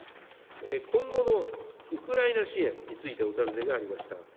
今後のウクライナ支援についてお尋ねがありました。